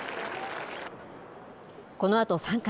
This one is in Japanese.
このあと３回。